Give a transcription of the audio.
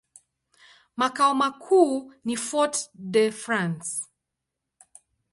Makao makuu ni Fort-de-France.